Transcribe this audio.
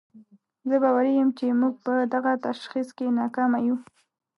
زه باوري یم چې موږ په دغه تشخیص کې ناکامه یو.